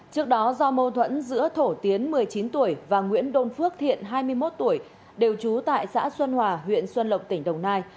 trước đó do mâu thuẫn giữa thổ tiến một mươi chín tuổi và nguyễn đôn phước thiện hai mươi một tuổi đều trú tại xã xuân hòa huyện xuân lộc tỉnh đồng nai